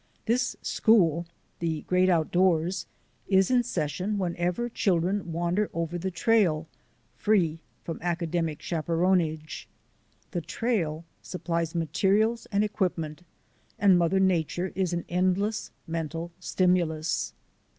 This school — the great out doors — is in session whenever children wander over the trail, free from academic chaperonage. The trail supplies materials and equipment, and Mother Nature is an endless mental stimulus.